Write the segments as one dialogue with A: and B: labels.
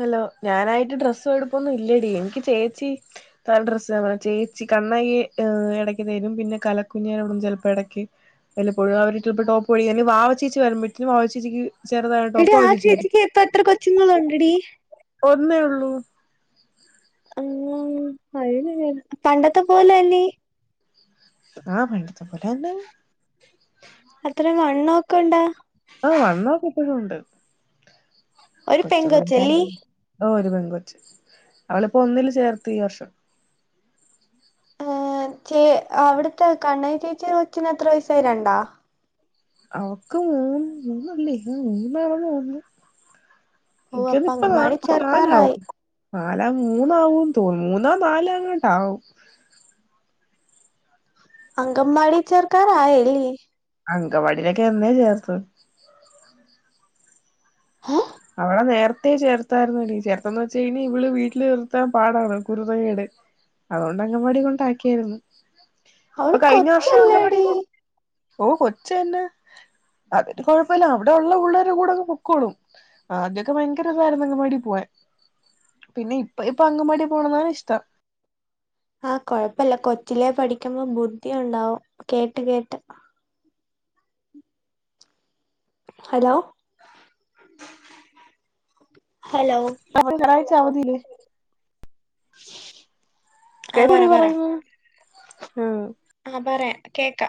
A: Hello ഞാനായിട്ട് dress എടുപ്പൊന്നും ഇല്ലടി എനിക്ക് ചേച്ചി നല്ല ഡ്രസ്സ് പറഞ്ഞ ചേച്ചി കണ്ണകി ഇടയ്ക്ക് തരും പിന്നെ കലക്കുഞ്ഞനോടും ചിലപ്പോ ഇടയ്ക്ക് വല്ലപ്പോഴും അവര് ചിലപ്പോ ടോപ്പ് വെടിക്കാൻ അല്ലെങ്കിൽ വാവ ചേച്ചി വരുമ്പഴുത്തേനും വാവ ചേച്ചിക്ക് ചെറുതായ
B: എടി
A: ടോപ് വാവ
B: ആ
A: ചേച്ചി തരും
B: ചേച്ചിക്ക് ഇപ്പ എത്ര കൊച്ചുങ്ങളുണ്ടെടി
A: ഒന്നേ ഉള്ളൂ
B: അയ്യേ അയ്നിനി എ പണ്ടത്തെ പോല അല്ലി
A: ആ പണ്ടത്തെ പോലെ തന്നെ
B: അത്രയും വണ്ണ വെക്ക ഉണ്ടാ?
A: ആ വണ്ണമൊക്കെ ഇപ്പഴുണ്ട്
B: ഒരു പെങ്കോച്ചല്ലി
A: ഓ ഒരു പെൺകൊച്ച് അവളിപ്പോ ഒന്നില് ചേർത്തീവർഷം
B: ആ ചേ അവിടുത്തെ കണ്ണകി ചേച്ചി കൊച്ചിന് എത്ര വയസായി രണ്ടാ
A: അവക്ക് മൂന്ന് മൂന്നല്ലേ ഹൊ മൂന്നാണന്ന് തോന്നുന്നു.
B: ഓ അപ്പൊ
A: ഇൻകതിപ്പോ ന
B: അങ്കൻവാടി
A: നാലാവും
B: ചേർക്കാറായി
A: നാലാ മൂന്നാവു തോന്നുന്നു. മൂന്നാ നാലാ എങ്ങാണ്ടാവും
B: അംഗവാടി ചേർക്കാറായല്ലേ?
A: അംഗവാടിയിലൊക്കെ എന്നേ ചേർത്തു
B: ഹേ
A: അവളെ നേരത്തെേ ചേർത്തായിരുന്നടി ചേർത്തന്ന് വെച്ച് ഇനി ഇവള് വീട്ടില് നിർത്താൻ പാടാണ് കുരുതകേട് അതുകൊണ്ട് അംഗവാടി കൊണ്ട് ആക്കിയാരുന്നു
B: അവള് കൊച്ചല്ലേടി?
A: ഓ കൊച്ചന്നെ അതിന് കൊഴപ്പല്ല അവിടെ ഉള്ള പിള്ളേരുടെ കൂടെ ഒക്കെ പൊക്കോളും. ആദ്യൊക്കെ ഭയങ്കരതായിരുന്നു അങ്കവാടി പോവാൻ പിന്നെ ഇപ്പ ഇപ്പൊ അങ്കൻവാടി പോണന്നാണ് ഇഷ്ടം.
B: ആകൊഴപ്പല്ല കൊച്ചിലേ പഠിക്കുമ്പോ ബുദ്ധി ഒണ്ടാവും കേട്ട് കേട്ട് ഹലോ ഹലോ
A: അപ്പൊ [unintelligible] അവധിയില്ലേ?
B: ആഹ്
A: കേട്ടോടിപറയുന്നത്. ഉം
B: ആ പറേ കേക്ക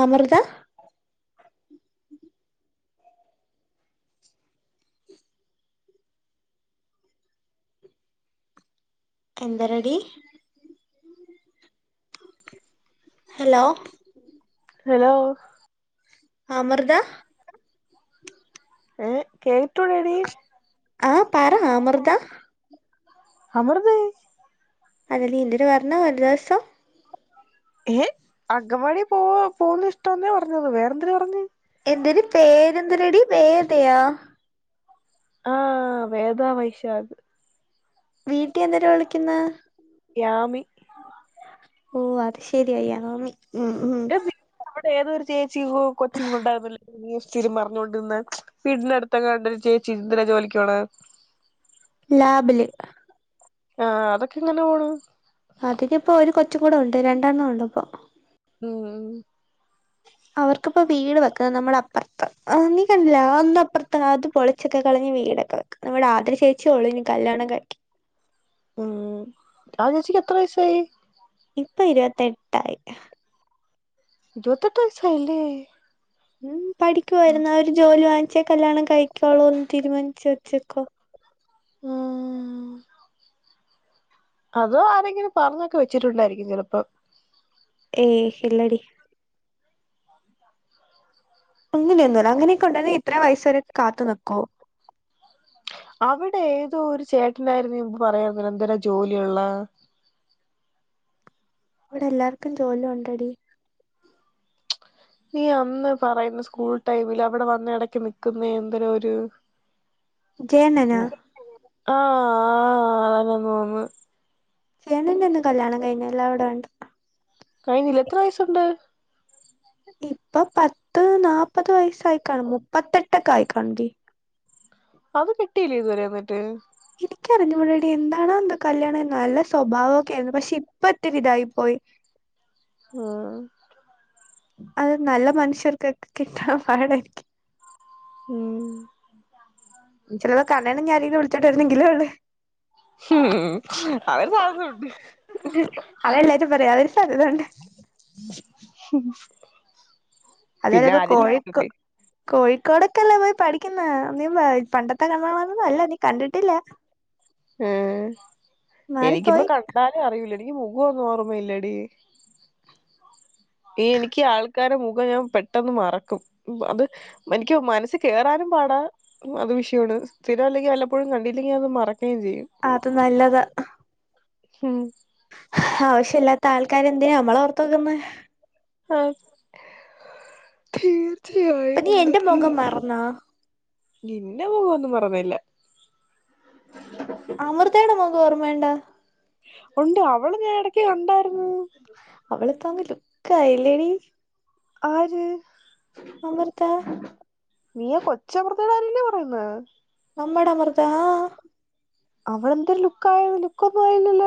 B: അമൃത എന്തരെടി ഹലോ
A: ഹലോ
B: അമൃത
A: ഏ കേട്ടൂടെടി
B: ആ പറഅമൃത
A: അമൃതയേ
B: അല്ലടി ന്റൊരു [unintelligible] ദിവസം
A: ഏ അങ്കവാടി പോവ പോകുന്ന ഇഷ്ടംന്നേ പറഞ്ഞത് വേറെന്തിര് പറഞ്ഞത്.
B: എന്തിര് പേരെന്തിരടി വേദയോ?
A: ആ വേദ വൈശാഖ്
B: വീട്ടിൽ എന്തിര് വിളിക്കുന്നു
A: യാമി
B: ഓ അത് ശെരിയ. യാമി ഉം ഉം
A: ഏതോരു ചേ ച്ചി കു കൊച്ചിങ്ങോട്ടാണല്ലോ തിരിമറിഞ്ഞൊണ്ടിരന്ന് വീടിനടുത്തങ്ങാണ്ടൊരു ചേചിന്തര ജോലിക്കോണ
B: ലാബില്
A: ആ അതൊക്കെങ്ങനെ പോണ
B: അതൊക്ക ഇപ്പൊ ഒരു കൊ മ കൂടെ ഉണ്ട് രണ്ടെണ്ണം ഉണ്ടണ്ട് അപ്പൊ
A: ഉ ഉ
B: അവർക്കിപ്പോ വീട് വെക്കുന്നത് നമ്മള അപ്പുറത്തം നീ കണ്ടില്ല അന്ന്പ്പുറത്തം അത് പൊളിച്ചൊക്കെ കളഞ്ഞഞ് വീടൊക്കെ വെക്കും നമ്മടെ ആദ്ര ചേച്ചി ഒളിഞ്ഞു കല്യാണം കഴിക്കും
A: ഉം ആ ചേച്ചിക്ക് എത്ര വയസ്സായി
B: ഇപ്പൊ ഇരുപത്തെ എട്ടായി
A: ഇരുപത്തെട്ട് വയസ്സായില്ലേ
B: ഉം പഠിക്കുവായിരുന്ന അവർ ജോലി വാങ്ങി ഉച്ചേ കല്യാണം കഴിക്കുള്ളോ എന്ന് തീരുമാനിച്ചു വെച്ചേക്കോ
A: ആഹ അതോ ആരെങ്കിലും പറഞ്ഞൊക്കെ വെച്ചിട്ടുണ്ടായിരിക്കും ചിലപ്പോ
B: ഏയ് ഇല്ലടി അങ്ങനെയൊന്നുമല്ല അങ്ങനെയൊക്കെ ഉണ്ട ഇത്ര വയസ വരക്കെ കാത്തു നിക്കുവോ
A: അവിടെ ഏതോ ഒരു ചേട്ടനായിരുന്നു നുമ്പ് പറയാ പിന്നെ എന്തേരാ ജോലിയുള്ള
B: ഇവിടെ എല്ലാർക്കും ജോലി ഉണ്ടടി
A: നീ അന്ന് പറയുന്ന സ്കൂൾ ടൈമിൽ അവിടെ വന്ന ഇടക്ക് നിക്കുന്ന എന്തല ഒരു
B: ജയണ്ണനോ
A: ആഹ ആ അതന്ന തോന്ന്
B: ച്യന്ന ഒന്ന് കല്ല്യാണം കഴിഞ്ഞ എല്ലാം അവിടെ വേണ്ട
A: കഴിഞ്ഞില്ലേ എത്ര വയസുണ്ട്
B: ഇപ്പൊ പത്ത് നാപ്പ മുപ്പത് വയസ്സായിക്കണം മുപ്പത്തെട്ട് ഇട്ട കായ്ക്കാണ്ടി
A: അത് കിട്ടിലേ ഇതുവരെ വന്നിട്ട്
B: എനിക്കറിഞ്ഞുകൂടടി എന്താണോ എന്താ കല്യാണം നല്ല സ്വഭാവം ഒക്കെ ആയിരുന്നു പക്ഷെ ഇപ്പത്തെ ഇതായി പോയി
A: ആഹ
B: അത് നല്ല മനുഷ്യർക്കൊക്കെ കിട്ടാൻ പാടായിരിക്കും
A: ഉ്മ
B: ചിലത് കണാണ് ഞാ വിളിച്ചിട്ടായിരുന്നെങ്കിലുംള്ള
A: ഉ അവതരു സാധനംണ്ട്
B: അരി തണ്ട്
A: ഉ
B: അതല്ല അപ്പൊ കോഴക്ക്
A: കിട്ടട്ടെ
B: കോഴിക്കോടൊക്കെല്ലേ പോയി പഠിക്കുന്ന നീ പണ്ടത്തെ കമൊന്നും അല്ല നീ കണ്ടിട്ടില്ല
A: ഉ എനിക്കിപ്പ
B: മാറിപ്പോയി
A: കണ്ടാലും അറിയില എനിക്ക് മുഖംഒന്നും ഓർമ്മ ഇല്ലടി ഈ എനിക്ക് ആൾക്കാരടെ മുഖം ഞാൻ പെട്ടെന്ന് മറക്കും അത് എനിക്ക് മനസ്സ് കേറാനും പാടാ അത് വിഷയമാണ് സ്ഥിരം അല്ലെങ്കിൽ വല്ലപ്പോഴും കണ്ടില്ലെങ്കിൽ അത് മറക്ക
B: അത് നല്ലതാ
A: ഹും
B: ആവശ്യല്ലാതെ ആൾക്കാരെന്തിനാ നമ്മളോർത്തോണ്ടിരിക്കുന്നെ
A: [unintelligible]
B: അപ്പോനീ എന്റെ മുഖം മറന്നോ
A: നിന്നെ മുഖ്യൊന്നും മറന്നില്ല
B: വേണ്ട
A: ഉണ്ട് അവളെ ഞാൻ ഇടക്ക് കണ്ടാരുന്നു
B: അവിളിപ്പോ അങ്ങ് ലുക്ക്‌ ആയി അല്ലേടി
A: ആര്
B: അമൃത
A: നീയാ കൊച്ച് അമൃതയുടെ കാര്യല്ലേ പറയുന്നത്
B: നമ്മടെ അമൃത
A: അവളെന്ത്‌ ലുക്കായി ലുക്ക് പോയില്ലല്ലോ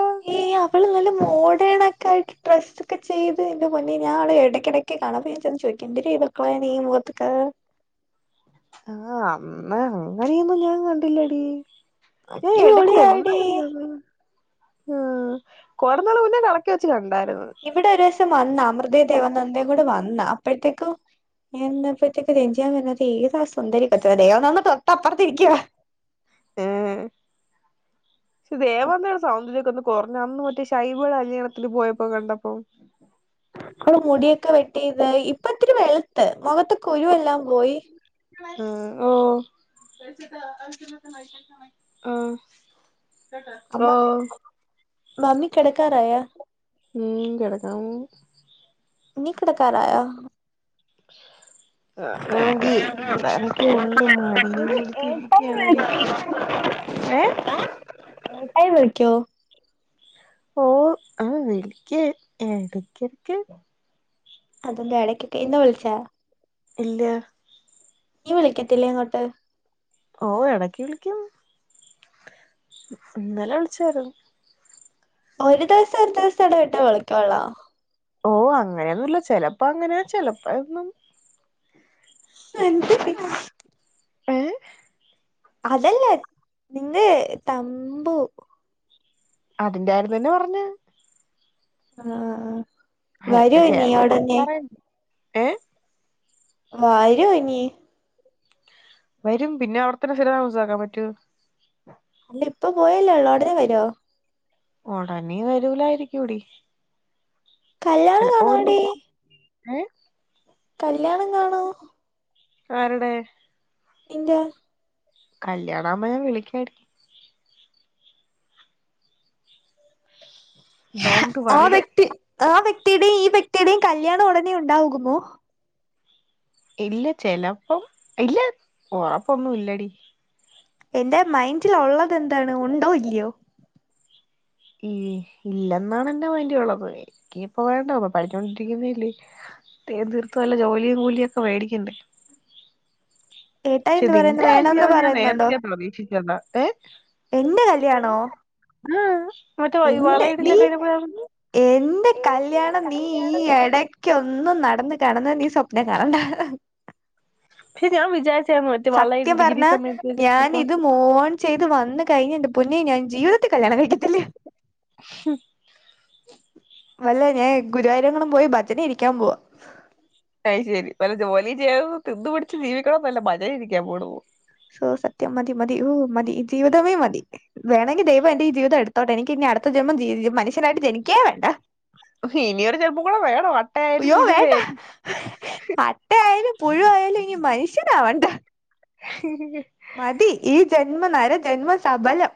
B: അവൾ നല്ല മോഡേൺ ഒക്കെ ആയിട്ട് ഡ്രസ്സൊക്കെ ചെയ്ത് എന്റെ പൊന്നേ ഞാൻ ഓളെ ഇടയ്ക്കിടക്കക്ക് കാണുമ്പോ ചോദിക്ക [unintelligible] ഈ മുഖത്തക്ക
A: ആ അന്ന് അങ്ങനെയൊന്നും ഞാൻ കണ്ടില്ലടി നീ ഇടക്ക് എന്താ
B: അടിപൊളിയാടി
A: പറയണത് ആ കൊറന്നാള് മുന്നേ കടക്കെ വെച്ച് കണ്ടാ
B: ഇവിടെ ഒരീസം വന്ന് അ [unintelligible] നന്ദയും കൂടെ വന്ന അപ്പോഴത്തേക്കും [unintelligible] റേഞ്ചിയാൻ വ ത ഈതാ സുന്ദരിക്കത്ത ദേവന്ദ തൊട്ടപ്പുറത്ത ഇരിക്ക
A: എഏ ദേവന്ന് [unintelligible] കൊറഞ്ഞ അന്ന് മറ്റേ ശഷൈബള് കല്യാണത്തില്ൽ പോയപ്പോ കണ്ടപ്പോ
B: അ മുടിയൊക്കെ വെട്ടിയത് ഇപ്പ ഇത്തിരി വെളുത്ത് മുഖത്തൊക്കെ കുരുെല്ലാം പോയി
A: ആ ഓ ആ
B: അമ്മ മാമി കിടക്കാറായാ
A: മ് കടക്കാൻ പോവും
B: നി കിടക്കാറായോ
A: ആ അതാണെങ്കിൽ ഉണ്ട് മടിയും കൂടിത്തിരിരിക്കടി ഏ
B: ക്യു
A: ഓ ആ വിളിക്ക എടക്കടക്ക്
B: അതെന്താ എടയ്ക്കൊക്കെ എന്താ വിളിച്ചാ
A: ഇല്ല
B: നീ വിളിക്കത്തില്ലേ ഇങ്ങോട്ട്
A: ഓ എടക്ക് വിളിക്കും ഇന്നലെ വിളിചായിരുന്നു
B: ഒരു ദിവസം ഒരു ദിവസം ഇട വട്ടോ വിളിക്കള്ളോ
A: ഓ അങ്ങനെയന്നല്ല ചെിലപ്പോ അങ്ങനെയ ചെിലപ്പോന്നും
B: എന്തടി
A: [unintelligible] പ
B: അതല്ലേ നിന്റെ തമ്പു
A: അതിന്റെ ആര് തന്നെ പറഞ്ഞ
B: ആഹ
A: ഹ ചേട്ടന്റെ [unintelligible] ഏ
B: വരോനീ
A: വരും പിന്നെ അവിടതന്നെ സ്ഥിര താമസാക്കാൻ പറ്റോ
B: അല്ല ഇപ്പ പോയല്ലേള്ളൂ ഉടനെ വരുമോ
A: ഉടനെ വരൂലാരിക്കൂടി.
B: കല്യാണം കാണുവോടി
A: ഉം
B: കല്യാണം കാണുവോ?
A: ആരുടെ
B: നിന്റെ
A: കല്യാണമാകുമ്പോ ഞാൻ വിളിക്കാടി ഡോണ്ട്
B: ആ
A: വറി
B: വ്യക്തി ആ വ്യക്തിയുടെയും ഈ വ്യക്തിയുടെയും കല്യാണം ഉടനെ ഉണ്ടാകുമോ
A: ഇല്ല ചെലപ്പം ഇല്ല ഉറപ്പൊന്നും ഇല്ലടി.
B: എന്റെ മൈൻഡിലുള്ളതെന്താണ് ഉണ്ടോ ഇല്ലയോ?
A: ഇ ഇല്ലെന്നാണ് എന്റെ മൈൻഡിലുള്ളത് എനി ഇപ്പൊ വേണ്ട അപ്പ പഠിച്ചോണ്ടിരിക്കുന്നല്ലെ [unintelligible] തീർത്ത് വല്ല ജോലിയും കൂലിയൊക്കെ മേടിക്കണ്ടേ.
B: ഏട്ടായി
A: പക്ഷെ
B: എന്ത് പറയുന്നു
A: നിന്റെ
B: വേണന്ന്
A: കല്യാണം ഞാൻ
B: പറയുന്നുണ്ടോ
A: നേരത്തെ പ്രതീക്ഷിച്ചത ഏ
B: എന്റെ
A: ഉം
B: കല്യാണോ എന്റെ നീ എന്റെ
A: എന്റെ
B: കല്യാണം നീ ഈ
A: കല്യാണം നീ
B: ഇടക്കൊ ന്നും നടന്ന് കാണൂന്ന് നീ സ്വപ്ന കാണണ്ട.
A: ഫ വിജാരി
B: സത്യം പറഞ്ഞാ ഞാൻ ഇത് മോൺ ചെയ്ത് വന്ന് കഴിഞ്ഞ് എന്റെ പൊന്നെ ഞാൻ ജീവിതത്തി കല്യാണം കഴക്കത്തില്ല.
A: ഉം
B: അല്ല ഞാൻ ഗുരുവായൂരെങ്ങാനും പോയി ഭജന ഇരിക്കാൻ പോവാ.
A: അത് ശരി വല്ല ജോലി ചെയ്ത് തിന്നു കുടിച്ചു ജീവിക്കണോനല്ല ഭജന ഇരിക്കാൻ പോണു.
B: സോ സത്യം മതി മതി ഓ മതി ജീവിതമേ മതി വേണമെങ്കിൽ ദൈവം എന്റെ ഈ ജീവിതം എടുത്തോട്ടെ എനിക്ക് ഇനി അടുത്ത ജന്മം മനുഷ്യനായിട്ട് ജനിക്കേ വേണ്ട.
A: ഇനിയരു ജന്മം കൂടെ വേണോ അട്ടയായാലും
B: അയ്യോ വേണ്ട
A: മുഴുവായിരും
B: അട്ടയായാലും പുഴുവായാലും ഇനി മനുഷ്യനാവണ്ട.
A: ഉ
B: മതി ഈ ജന്മനര ജന്മസഫലം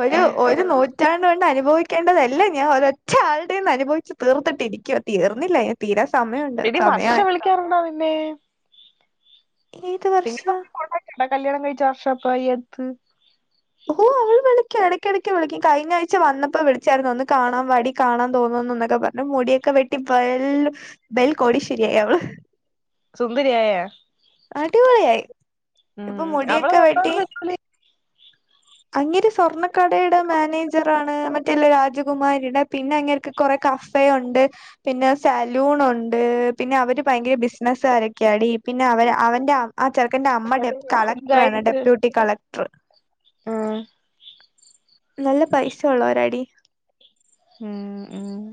B: ഒരു ഒരു നൂറ്റാ ണ്ട്കൊണ്ട് അനുഭവിക്കേണ്ടതെല്ലാം ഞാൻ ഒരൊറ്റ ആളുടേന്ന് അനുഭവിച്ച് തീർത്തിട്ടിരിക്കുവാ തീർന്നില്ല ഇനി തീരാ സമയമുണ്ട്
A: എടി വർഷ
B: സമയമായി
A: വിളിക്കാറുണ്ടൊ നിന്നെ
B: ഏത്
A: നിങ്ങള്
B: വർഷാ
A: തമ്മിൽ കോണ്ടാക്ട് ഉണ്ടാ കല്യാണം കഴിച്ച വർഷം അപ്പ ഏത്
B: ഓ അവള് വിളിക്കും ഇടക്കടയ്ക്ക് വിളിക്കും കഴിഞ്ഞ ആഴ്ച വന്നപ്പോ വിളിച്ചായിരുന്നു ഒന്ന് കാണാൻ വാടി കാണാൻ തോന്നുന്നുന്നൊക്കെ പറഞ്ഞു മുടിയൊക്കെ വെട്ടി വെൽ ബെൽകോടിശ്വ
A: സുന്ദരിയായൊ
B: അടിപൊളിയായി
A: ഉം
B: ഇപ്പൊ
A: അവളെ
B: മുടിയൊക്കെ
A: വർത്താ
B: വെട്ടി
A: [unintelligible]
B: അങ്ങേര് സ്വർണ്ണക്കടേ ട്ട് മാനേജറാണ് മറ്റെല്ലേ രാ രജകുമാരിടെ പിന്നെ അങ്ങേർക്ക് കൊറേ കഫേ ഉണ്ട് പിന്നെ സലൂൺ ഉണ്ട് പിന്നെ അവര് ഭയങ്കര ബിസിനസാര ക്ക്യാടീ പിന്നെ അവര് അവന്റെ അ ആ ചെറുക്കന്റെ അമ്മ ഡെബ് കളക്ടറാണ് ഡെപ്യൂട്ടി കളക്
A: ആ
B: നല്ല പൈസ ഉള്ളോരാടീ.
A: ഉം, ഉം.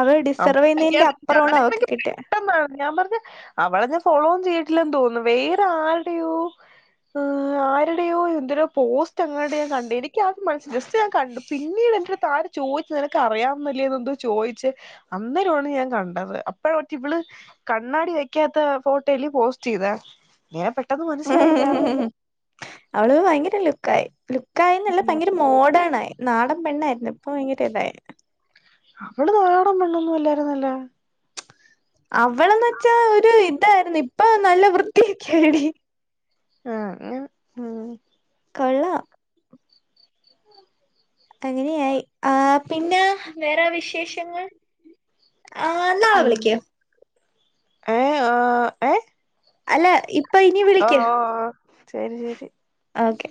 B: അവള് ഡിസർവ് ചെയ്യുന്നതിന്റെ അപ്പുറമാണ്
A: ഞാനക്കെ
B: അവക്ക്
A: പിന്നെ
B: കിട്ടിയെ
A: പെട്ടന്നാണ് ഞാൻ പറഞ്ഞ് അവളെ ഞാൻ ഫോളോവും ചെയ് റ്റില്ലന്ന് തോന്നുന്നു വേറെ ആരുടെയോ ഏഹ് ആരുടെയോ എന്തൊരോ പോസ്റ്റ് എങ്ങാണ്ട് ഞാൻ കൺ എനിക്കാത് മനസ്സ് ജസ്റ്റ് ഞാൻ കണ്ടു പിന്നീട് എന്റൊരു താര ചോയിച്ചത് നിനക്ക് അറിയാവന്നല്ലേന്ന് എന്തോ ചോയിച്ച് അന്നേരവാണ് ഞാൻ കണ്ടത് അപ്പോഴറ്റ ഇവള് കണ്ണാടി വെക്കാത്ത ഫോട്ടോ എല്ലേ പോസ്റ്റ് ചെയ്ത് ഞാൻ പെ
B: അവള് ഭയങ്കരം ലുക്ക് ആയി പ്‌ലു ക്കായന്നല്ല
A: ഉം
B: ഭയങ്കര മോഡേൺ ആയി നാടം പെണ്ണായിരുന്നു ഇപ്പൊ ഭയങ്കര ഇതായി
A: അവള് നാടന്നുല്ല ആല്ലായിരുന്നല്ലോ
B: അവളന്ന് വെച്ചാ ഒരു ഇതായിരുന്നു ഇപ്പൊ നല്ല വൃത്തിയൊക്കെ ആയടി
A: ആ അങ്ങനെ ഉം
B: കൊള്ളാം അങ്ങനെയായി ആ പിന്നെ വേറെ വിശേഷങ്ങൾ ആ ന്നാ വിളിക്ക്
A: ഏ ആ എ
B: അല്ല ഇപ്പൊ ഇനി വിളിക്ക്
A: ഓഹ് ശരി ശരി
B: ഓക്കെ